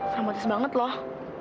rahmatis banget loh